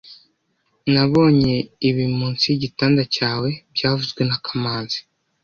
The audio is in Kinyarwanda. Nabonye ibi munsi yigitanda cyawe byavuzwe na kamanzi